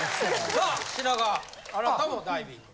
さあ品川あなたもダイビング。